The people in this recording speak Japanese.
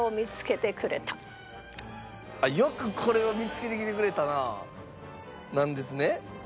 あっ「よくこれを見つけてきてくれたな」なんですね？